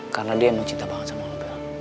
karena dia yang mau cinta banget sama lo